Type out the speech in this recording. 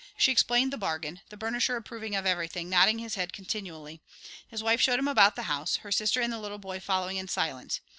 She explained the bargain, the burnisher approving of everything, nodding his head continually. His wife showed him about the house, her sister and the little boy following in silence.